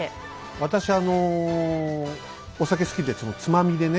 私あのお酒好きでつまみでね